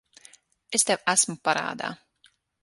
Es tev esmu parādā.